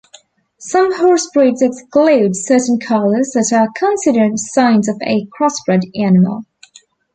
Some horse breeds exclude certain colors that are considered signs of a crossbred animal.